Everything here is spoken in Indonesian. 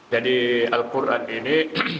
jadi al quran ini